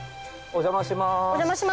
お邪魔します。